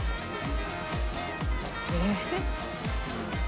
えっ。